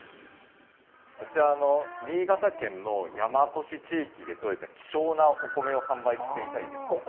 ◆こちら、新潟県の山古志地域でとれた希少なお米を販売していたりですとか。